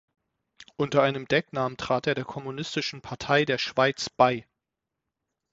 Unter einem Decknamen trat er der Kommunistischen Partei der Schweiz bei.